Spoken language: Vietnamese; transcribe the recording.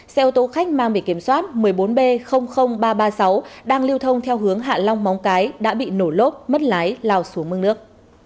xe ô tô khách mang bị kiểm soát một mươi bốn b ba trăm ba mươi sáu đang lưu thông theo hướng hạ long móng cái đã bị nổ lốp mất lái lao xuống mương nước